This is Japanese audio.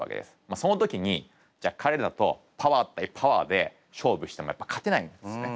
その時にじゃあ彼らとパワー対パワーで勝負してもやっぱり勝てないんですね。